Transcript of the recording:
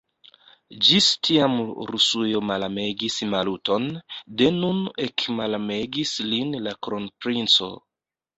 Ĝis tiam Rusujo malamegis Maluton, de nun ekmalamegis lin la kronprinco.